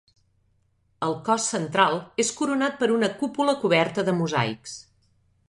El cos central és coronat per una cúpula coberta de mosaics.